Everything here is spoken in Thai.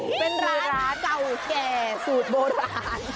เป็นร้านเก่าแก่สูตรโบราณ